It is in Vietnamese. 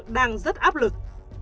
đang rất áp lực